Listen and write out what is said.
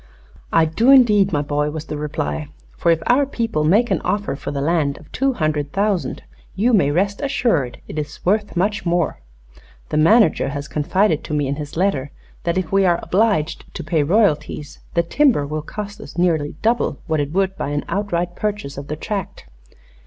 "I do, indeed, my boy," was the reply. "For if our people make an offer for the land of two hundred thousand you may rest assured it is worth much more. The manager has confided to me in his letter that if we are obliged to pay royalties the timber will cost us nearly double what it would by an outright purchase of the tract."